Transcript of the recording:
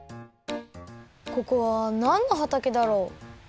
ここはなんのはたけだろ？